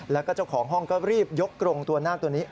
แล้วก็เจ้าของห้องก็รีบยกกรงตัวนาคตัวนี้